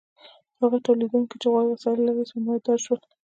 هغو تولیدونکو چې غوره وسایل لرل سرمایه دار شول.